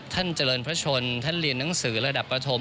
ท่านเจริญพระชนท่านเรียนหนังสือระดับประธม